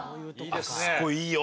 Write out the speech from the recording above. あそこいいよ。